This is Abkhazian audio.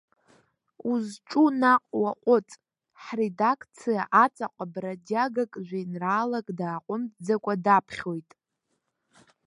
Узҿу наҟ уаҟәыҵ, ҳредакциа аҵаҟа бродиагак жәеинраалак дааҟәымҵӡакәа даԥхьоит.